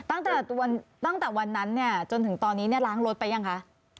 อืมตั้งแต่วันนั้นจนถึงตอนนี้ล้างรถไปยังคะ